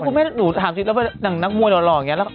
กุมแม่สนิทแล้วไปนั่งนักมวยมาหรอก